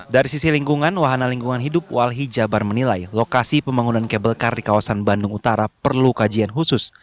dari sisi lingkungan wahana lingkungan hidup walhi jabar menilai lokasi pembangunan kabel kar di kawasan bandung utara perlu kajian khusus